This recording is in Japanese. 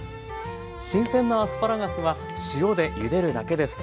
新鮮なアスパラガスは塩でゆでるだけです。